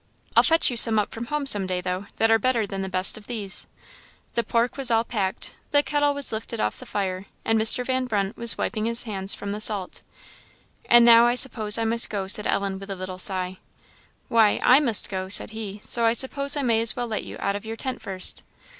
I'll fetch you some up from home some day, though, that are better than the best of these." The pork was all packed; the kettle was lifted off the fire; Mr. Van Brunt was wiping his hands from the salt. "And now, I suppose I must go," said Ellen, with a little sigh. "Why, I must go," said he; "so I suppose I may as well let you out of your tent first."